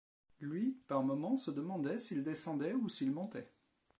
Lui, par moments, se demandait s’il descendait ou s’il montait.